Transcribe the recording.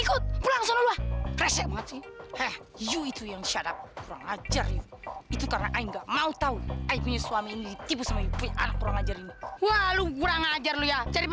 kamu nggak bobok ya